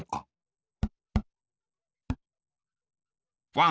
ワン。